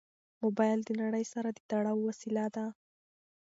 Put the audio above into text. موبایل د نړۍ سره د تړاو وسیله ده.